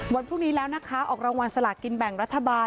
วันพรุ่งนี้แล้วนะคะออกรางวัลสลากินแบ่งรัฐบาล